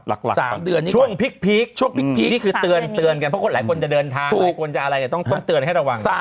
หลักช่วงพลิกนี้คือเตือนกันเพราะหลายคนจะเดินทางได้ต้องเตือนให้ระวัง